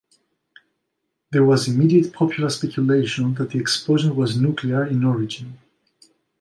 There was immediate popular speculation that the explosion was nuclear in origin.